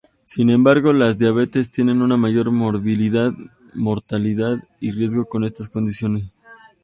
Sin embargo, la diabetes tiene una mayor morbilidad, mortalidad y riesgo con estas condiciones.